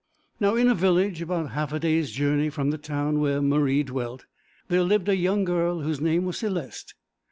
Now, in a village about half a day's journey from the town where Marie dwelt, there lived a young girl whose name was Céleste.